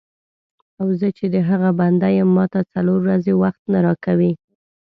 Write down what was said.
او زه چې د هغه بنده یم ماته څلور ورځې وخت نه راکوې.